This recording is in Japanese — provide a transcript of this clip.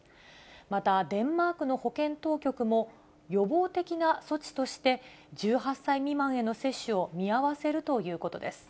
また、デンマークの保健当局も、予防的な措置として、１８歳未満への接種を見合わせるということです。